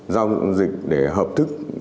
giao dụng dịch để hợp thức